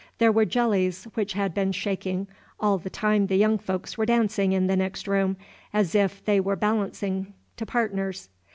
There were jellies, which had been shaking, all the time the young folks were dancing in the next room, as if they were balancing to partners.